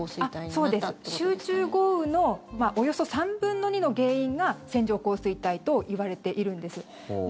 そうです、集中豪雨のおよそ３分の２の原因が線状降水帯といわれているんです。